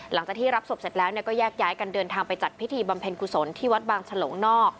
หลังจากที่รับศพเสร็จแล้วก็แยกย้ายกันเดินทางไปจัดพิธีบำเพ็ญกุศลที่วัดบางฉลงนอก